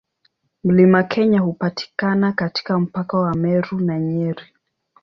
Mlima Kenya hupatikana katika mpaka wa Meru na Nyeri.